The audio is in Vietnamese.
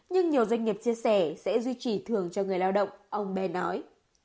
nhưng nhiều doanh nghiệp chia sẻ sẽ duy trì thường cho người lao động ông bé nói